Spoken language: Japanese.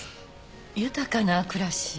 豊かな暮らし？